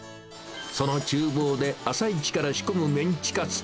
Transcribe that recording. そのちゅう房で、朝一から仕込むメンチカツ。